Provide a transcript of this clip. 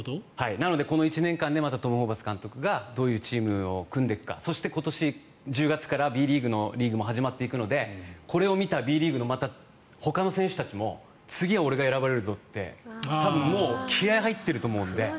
なのでこの１年間でトム・ホーバス監督がどういうチームを組んでいく今年１０月からＢリーグも始まっていくのでこれを見たＢリーグのほかの選手たちも次は俺が選ばれるぞってもう気合が入ってると思うので。